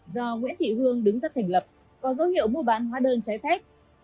do nguyễn thị hương đứng dắt thành lập có dấu hiệu mua bán hóa đơn trái phép